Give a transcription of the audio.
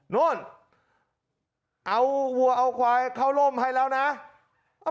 โน่นเอาวัวเอาควายเข้าร่มให้แล้วนะ